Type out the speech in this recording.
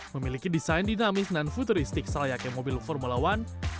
memiliki desain dinamis dan futuristik selayaknya mobil formula one